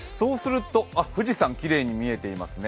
富士山がきれいに見えていますね。